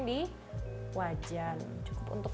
di wajan cukup untuk